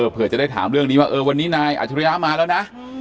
เผื่อจะได้ถามเรื่องนี้ว่าวันนี้นายอัจฉริยะมาแล้วนะ